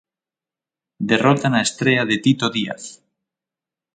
Derrota na estrea de Tito Díaz.